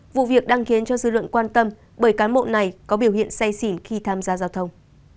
vụ việc đang khiến cho dư luận quan tâm bởi cán bộ này có biểu hiện say xỉn khi tham gia giao thông